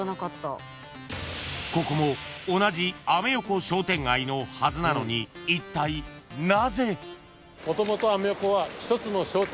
［ここも同じアメ横商店街のはずなのにいったいなぜ？］